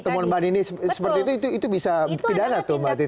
temuan banini seperti itu bisa pidana tuh mbak titi ya